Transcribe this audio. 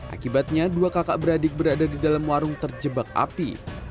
akibatnya dua kakak beradik berada di dalam warung terjebak api